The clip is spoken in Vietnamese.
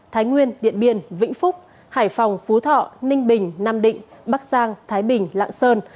thái nguyên điện biên vĩnh phúc hải phòng phú thọ ninh bình nam định bắc giang thái bình lạng sơn